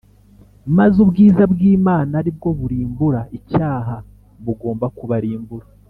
Maze ubwiza bw’Imana, aribwo burimbura icyaha, bugomba kubarimbura